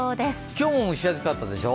今日も蒸し暑かったでしょ？